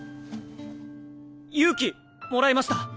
勇気もらいました！